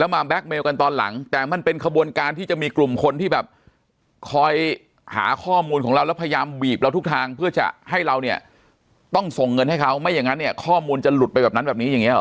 มาแก๊กเมลกันตอนหลังแต่มันเป็นขบวนการที่จะมีกลุ่มคนที่แบบคอยหาข้อมูลของเราแล้วพยายามบีบเราทุกทางเพื่อจะให้เราเนี่ยต้องส่งเงินให้เขาไม่อย่างนั้นเนี่ยข้อมูลจะหลุดไปแบบนั้นแบบนี้อย่างเงี้หรอ